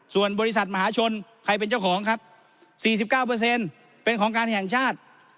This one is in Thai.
ส่วนบริษัทมหาชนใครเป็นเจ้าของครับ๔๙เป็นของการแห่งชาติ